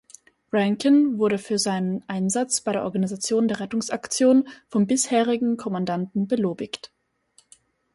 Rankin wurde für seinen Einsatz bei der Organisation der Rettungsaktion vom bisherigen Kommandanten belobigt.